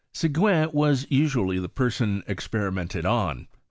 Seguin was usually the person experimented on.